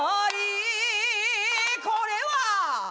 「これは」